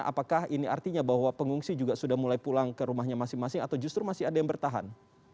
apakah ini artinya bahwa pengungsi juga sudah mulai pulang ke rumahnya masing masing atau justru masih ada yang bertahan